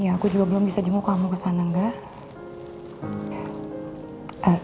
ya aku juga belum bisa jenguk kamu kesana enggak